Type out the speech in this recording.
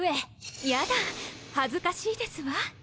ヤダ恥ずかしいですわ。